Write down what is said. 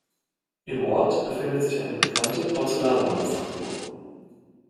Im Ort befindet sich eine bekannte Porzellanmanufaktur.